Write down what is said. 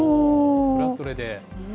それはそれで。